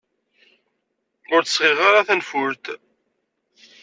Ur d-sɣiɣ ara tanfult.